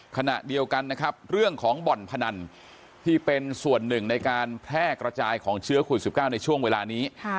ขณะเดียวกันนะครับเรื่องของบ่อนพนันที่เป็นส่วนหนึ่งในการแพร่กระจายของเชื้อโควิด๑๙ในช่วงเวลานี้